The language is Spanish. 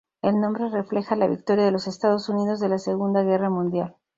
El nombre refleja la victoria de los Estados Unidos en la Segunda Guerra Mundial.